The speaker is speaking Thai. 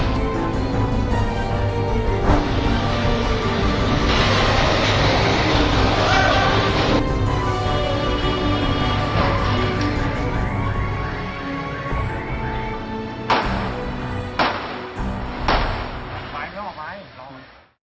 โปรดติดตามตอนต่อไป